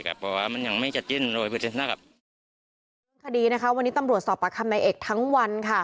คดีนะคะวันนี้ตำรวจสอบประคับในเอกทั้งวันค่ะ